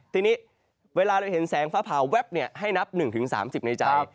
ทีนี้เวลาเราเห็นแสงฟ้าผ่าแว๊บให้นับ๑๓๐ในใจ